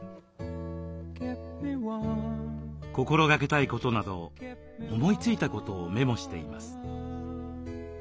心がけたいことなど思いついことをメモしています。